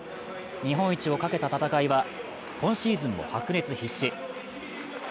日本一をかけた戦いは今シーズンも白熱必至。